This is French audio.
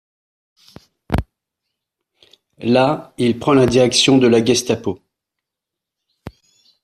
Là, il prend la direction de la Gestapo.